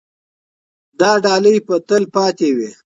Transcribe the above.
دا ډالۍ به تل پاتې وي.